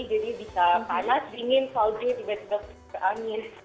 jadi bisa panas dingin salju tiba tiba ke angin